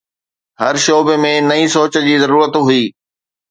هر شعبي ۾ نئين سوچ جي ضرورت هئي.